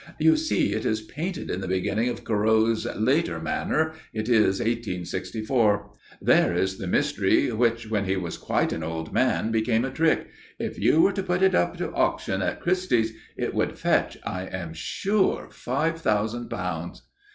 "You see, it is painted in the beginning of Corot's later manner it is 1864. There is the mystery which, when he was quite an old man, became a trick. If you were to put it up to auction at Christie's it would fetch, I am sure, five thousand pounds."